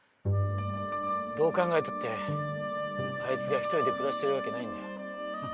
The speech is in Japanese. どう考えたってあいつが１人で暮らしてるわけないんだよ。